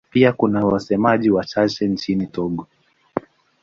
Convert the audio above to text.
Pia kuna wasemaji wachache nchini Togo.